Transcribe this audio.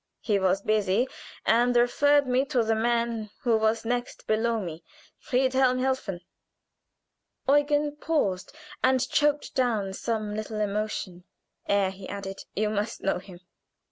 He was busy, and referred me to the man who was next below me, Friedhelm Helfen." Eugen paused, and choked down some little emotion ere he added: "You must know him.